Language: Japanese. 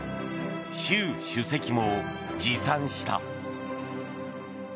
習主席も自賛した。